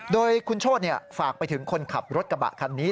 โดยคุณโชธฝากไปถึงคนขับรถกระบะคันนี้